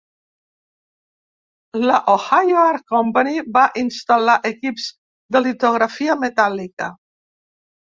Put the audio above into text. La Ohio Art Company va instal·lar equips de litografia metàl·lica.